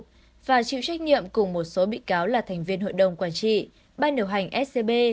trách nhiệm cùng một số bị cáo là thành viên hội đồng quản trị ban điều hành scb